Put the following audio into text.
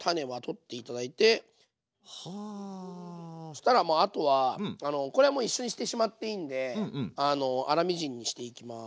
したらもうあとはこれはもう一緒にしてしまっていいんで粗みじんにしていきます。